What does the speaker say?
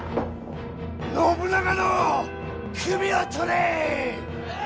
信長の首を取れ！